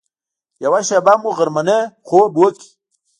یوه شېبه مو غرمنۍ خوب وکړ.